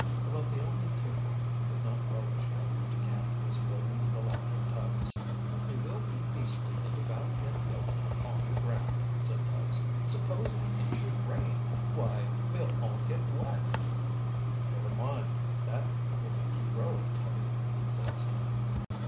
About the only pupil who did not relish going into camp was William Philander Tubbs. "It will be beastly to live out in the open, on the ground," said Tubbs. "Supposing it should rain? Why, we'll all get wet!" "Never mind, that will make you grow, Tubby," said Sam.